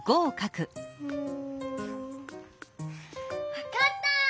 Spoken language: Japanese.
わかった！